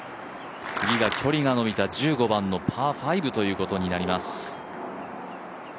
次は距離が延びた１５番のパー５ということになります。